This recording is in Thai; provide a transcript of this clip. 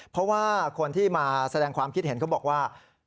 เพราะว่าคนที่มาแสดงความคิดเห็นเขาบอกว่า